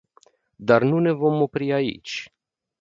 Dar nu ne vom opri aici.